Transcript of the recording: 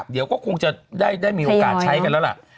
เดี๋ยวก็คงจะได้มีโอกาสใช้กันแล้วล่ะ